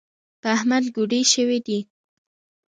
په احمد کوډي شوي دي .